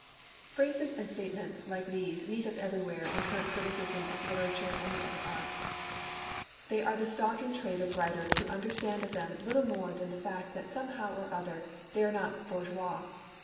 "' Phrases and statements like these meet us everywhere in current criticism of literature and the other arts. They are the stock in trade of writers who understand of them little more than the fact that somehow or other they are not 'bourgeois.'